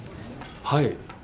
はい。